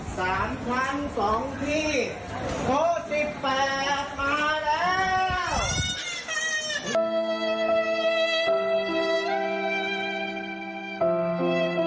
สามชั้นสองที่หกสิบแปดมาแล้ว